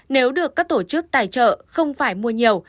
nếu được các tổ chức tài trợ không phải mua nhiều